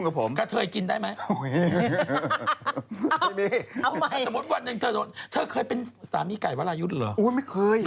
อับหมายขอรับผิดด้วย